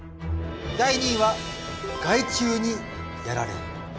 第２位は害虫にやられる。